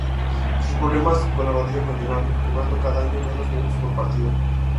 Sus problemas con la rodilla continuaron, jugando cada año menos minutos por partido.